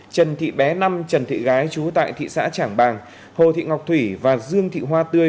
trần thị bé năm trần thị gái chú tại thị xã trảng bàng hồ thị ngọc thủy và dương thị hoa tươi